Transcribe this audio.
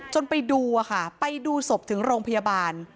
ไปดูค่ะไปดูศพถึงโรงพยาบาล